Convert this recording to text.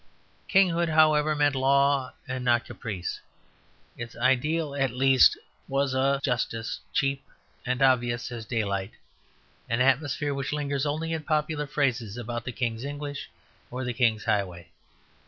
Kinghood, however, meant law and not caprice; its ideal at least was a justice cheap and obvious as daylight, an atmosphere which lingers only in popular phrases about the King's English or the King's highway.